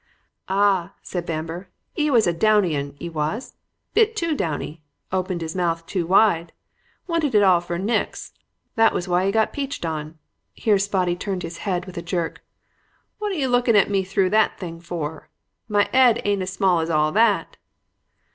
"'Ah,' said Bamber, ''e was a downy un, 'e was. Bit too downy. Opened his mouth too wide. Wanted it all for nix. That was why he got peached on ' Here Spotty turned his head with a jerk 'What are you looking at me through that thing for? My 'ed ain't as small as all that.'